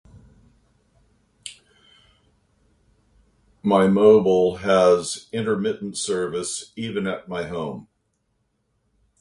My mobile has intermittent service even at my home.